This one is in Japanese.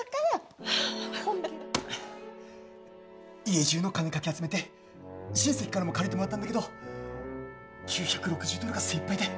家じゅうの金かき集めて親戚からも借りてもらったんだけど９６０ドルが精いっぱいで。